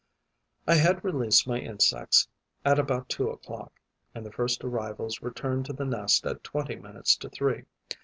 I had released my insects at about two o'clock; and the first arrivals returned to the nest at twenty minutes to three.